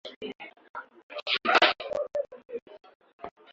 Utambuzi hufanywa kwa kuchukua sampuli kutoka kwa sehemu ya nyuma ya pua na koo.